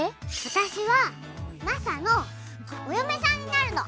私はマサのお嫁さんになるの！